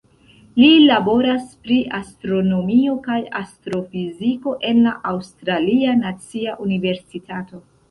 Li laboras pri astronomio kaj astrofiziko en la Aŭstralia Nacia Universitato.